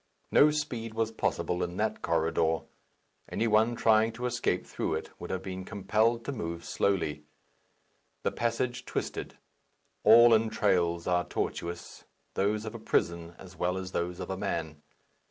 No speed was possible in that corridor. Any one trying to escape through it would have been compelled to move slowly. The passage twisted. All entrails are tortuous; those of a prison as well as those of a man.